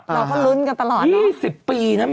เราก็ลื้นกันตลอดเนอะ๒๐ปีนะ